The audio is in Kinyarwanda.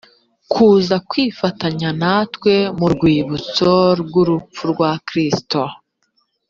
kuza kwifatanya natwe mu rwibutso rw urupfu rwa kristo